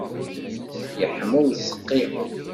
Yeḥma useqqi.